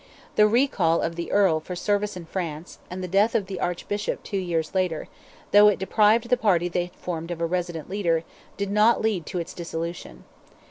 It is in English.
The recall of the Earl for service in France, and the death of the Archbishop two years later, though it deprived the party they had formed of a resident leader, did not lead to its dissolution.